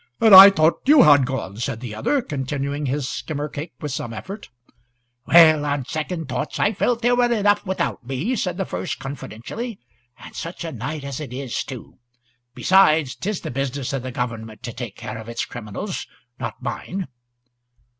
"And I thought you had gone," said the other, continuing his skimmer cake with some effort. "Well, on second thoughts, I felt there were enough without me," said the first, confidentially, "and such a night as it is, too. Besides, 't is the business o' the government to take care of its criminals, not mine."